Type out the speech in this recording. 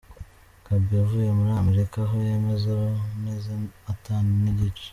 Gaby avuye muri Amerika aho yamaze amezi atanu n'igice.